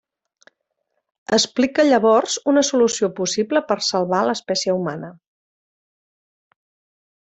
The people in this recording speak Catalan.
Explica llavors una solució possible per salvar l'espècie humana.